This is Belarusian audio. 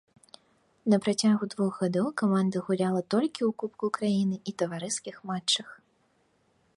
На працягу двух гадоў каманда гуляла толькі ў кубку краіны і таварыскіх матчах.